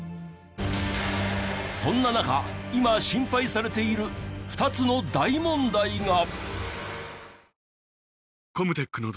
そんな中今心配されている２つの大問題が！